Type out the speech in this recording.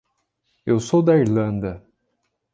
Eu sou da Irlanda.